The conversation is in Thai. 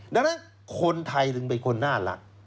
ดังนั้นคนไทยจึงเป็นคนน่ารัก